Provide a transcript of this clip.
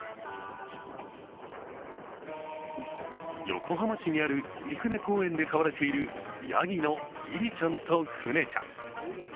横浜市にある入船公園で飼われているやぎの、いりちゃんとふねちゃん。